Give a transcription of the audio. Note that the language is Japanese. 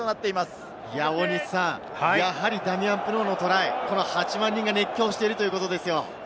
ダミアン・プノーのトライ、この８万人が熱狂しているということですよ。